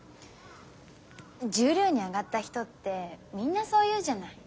十両に上がった人ってみんなそう言うじゃない。